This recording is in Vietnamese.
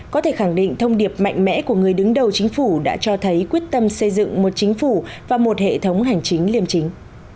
có thể khẳng định thông điệp mạnh mẽ của người đứng đầu chính phủ đã cho thấy quyết tâm xây dựng một chính phủ và một hệ thống hành chính liêm chính